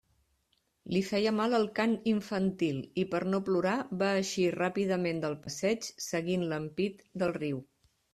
Li feia mal el cant infantil, i per no plorar va eixir ràpidament del passeig, seguint l'ampit del riu.